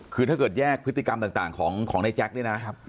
คือถ้าเกิดแยกพฤติกรรมต่างของนายแจ๊คเนี่ยนะ